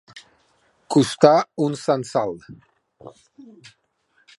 Costar un censal.